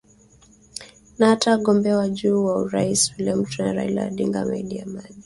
Na hata wagombea wa juu wa urais William Ruto na Raila Odinga wameahidi amani